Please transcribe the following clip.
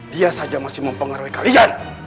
dia saja masih mempengaruhi kalian